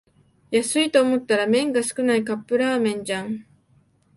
安いと思ったら麺が少ないカップラーメンじゃん